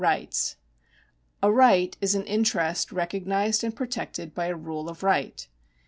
Rights. A right is an interest recognised and protected by a rule of right.